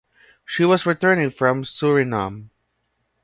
She was returning from Suriname.